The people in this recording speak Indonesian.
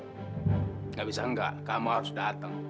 tidak bisa enggak kamu harus datang